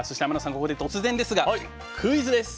ここで突然ですがクイズです。